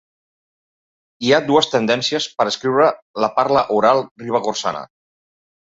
Hi ha dues tendències per escriure la parla oral ribagorçana.